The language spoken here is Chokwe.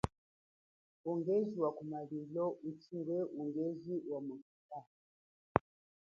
Ungeji wa kumalilu ushi ungeji ngwe wuwu wa motoka.